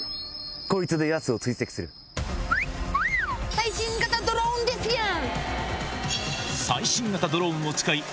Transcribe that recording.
最新型ドローンですやん。